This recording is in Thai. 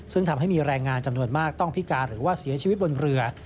ซึ่งทำให้มีแรงงานจำนวนมากต้องพิการหรือว่าเสียชีวิตบนเรือ